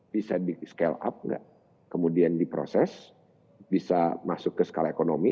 bisa di scale up nggak kemudian diproses bisa masuk ke skala ekonomi